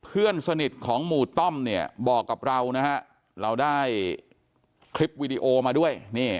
เพื่อนสนิทของหมู่ต้อมเนี่ยบอกกับเรานะฮะเราได้คลิปวีดีโอมาด้วย